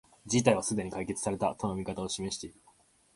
事態はすでに解決された、との見方を示している